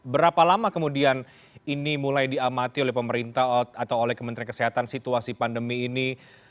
berapa lama kemudian ini mulai diamati oleh pemerintah atau oleh kementerian kesehatan situasi pandemi ini